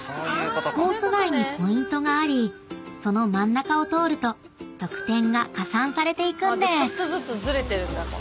［コース内にポイントがありその真ん中を通ると得点が加算されていくんです］